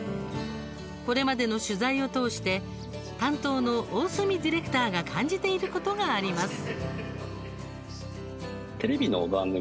これまでの取材を通して担当の大隅ディレクターが感じていることがあります。